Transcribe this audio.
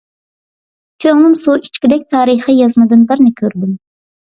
كۆڭلۈم سۇ ئىچكۈدەك تارىخىي يازمىدىن بىرنى كۆردۈم.